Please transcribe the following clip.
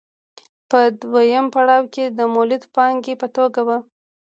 په دویم پړاو کې د مولده پانګې په توګه وه